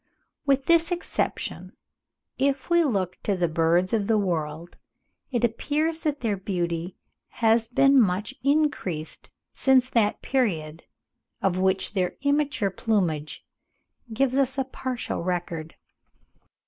With this exception, if we look to the birds of the world, it appears that their beauty has been much increased since that period, of which their immature plumage gives us a partial record.